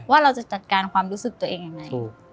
ว่าเราจะจัดการความรู้สึกตัวเองยังไง